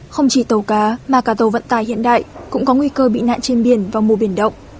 không chỉ tàu cá mà cả tàu vận tài hiện đại cũng có nguy cơ bị nạn trên biển vào mùa biển động